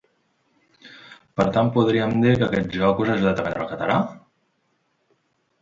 Per tant podríem dir que aquest joc us ha ajudat a aprendre el català?